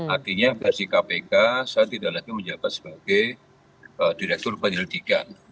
artinya versi kpk saya tidak lagi menjabat sebagai direktur penyelidikan